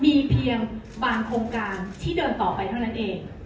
มีเพียงบางโครงการที่เดินต่อไปเท่านั้นเอง